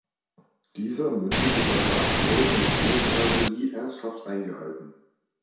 Dieser mündliche Vertrag wurde von Regierungsseite nie ernsthaft eingehalten.